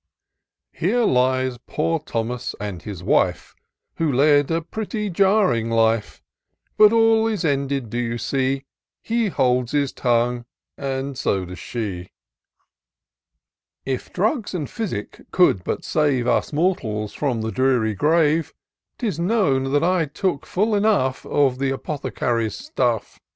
Here lies poor Thomas and his wife, Who led a pretty jarring life; But all is ended, do you see ? He holds his tongue, and so does she." " K drugs and physic could but save Us mortals from the dreary grave, 'Tis known that I took full enough Of the apothecary's stuff.